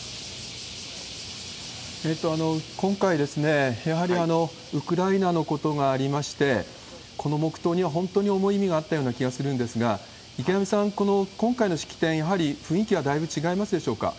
今回、やはりウクライナのことがありまして、この黙とうには本当に重い意味があったような気がするんですが、池上さん、この今回の式典、やはり雰囲気はだいぶ違いますでしょうか？